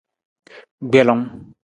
Gbelung.